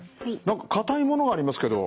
何か硬いものがありますけど。